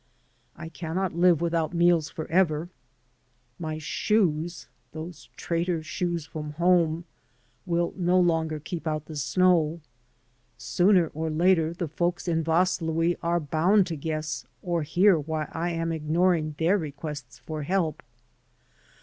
I cannot live without meab forever. My shoes — ^those traitor shoes from home — will no longer keep out the snow. Sooner or later the folks in Vaslui are bound to guess or hear why I am ignoring their requests for help.